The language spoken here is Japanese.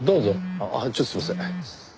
ああちょっとすいません。